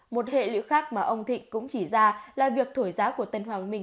một hệ lụy khác mà ông thịnh cũng chỉ ra là việc thổi giá của tân hoàng minh